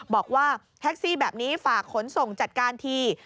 บอกว่าแท็กซี่แบบนี้ฝากขนส่งจัดการที